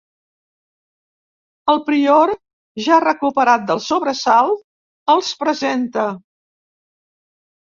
El prior, ja recuperat del sobresalt, els presenta.